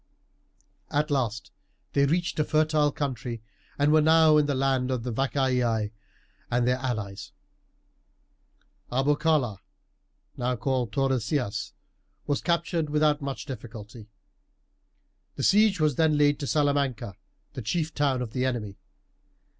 At last they reached a fertile country, and were now in the land of the Vacaei and their allies. Arbocala, now called Tordesillas, was captured without much difficulty. The siege was then laid to Salamanca, the chief town of the enemy.